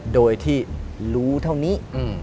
โดยที่รู้เท่านี้